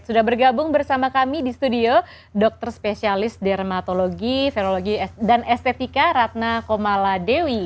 sudah bergabung bersama kami di studio dokter spesialis dermatologi ferologi dan estetika ratna komala dewi